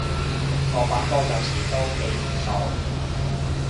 個百科有時都幾唔爽